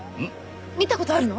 見た事あるの？